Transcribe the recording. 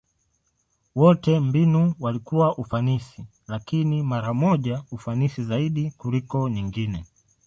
Wote mbinu walikuwa ufanisi, lakini mara moja ufanisi zaidi kuliko nyingine.